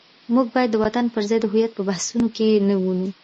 موږ باید د وطن پر ځای د هویت په بحثونو کې نه ونیو.